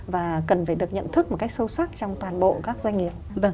và cần phải được nhận thức một cách sâu sắc trong toàn bộ các doanh nghiệp